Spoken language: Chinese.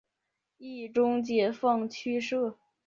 冀中解放区设。